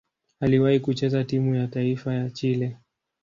Aliwahi kucheza timu ya taifa ya Chile.